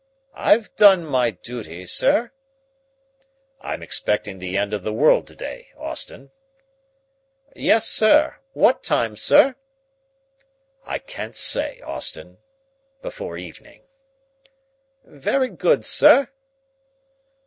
"I've done my duty, sir." "I'm expecting the end of the world to day, Austin." "Yes, sir. What time, sir?" "I can't say, Austin. Before evening." "Very good, sir."